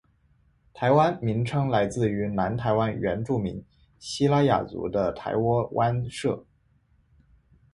“台湾”名称来自于南台湾原住民西拉雅族的台窝湾社。